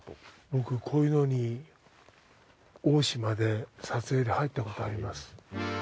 僕こういうのに大島で撮影で入ったことあります。